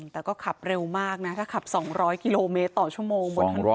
แต่ก็ขับเร็วมากนะถ้าขับ๒๐๐กิโลเมตรต่อชั่วโมงบนถนน